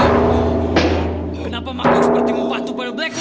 kenapa makhluk seperti mufat tumpah the black lord